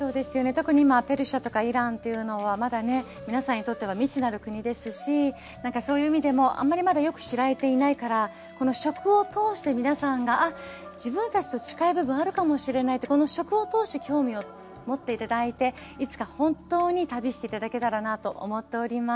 特に今ペルシャとかイランっていうのはまだね皆さんにとっては未知なる国ですしなんかそういう意味でもあんまりまだよく知られていないからこの食を通して皆さんが自分たちと近い部分あるかもしれないってこの食を通して興味を持って頂いていつか本当に旅して頂けたらなと思っております。